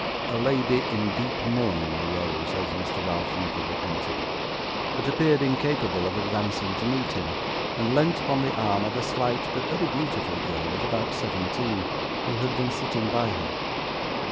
A lady in deep mourning rose as Mr. Ralph Nickleby entered, but appeared incapable of advancing to meet him, and leant upon the arm of a slight but very beautiful girl of about seventeen, who had been sitting by her.